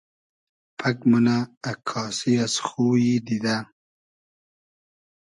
پئگ مونۂ اککاسی از خویی دیدۂ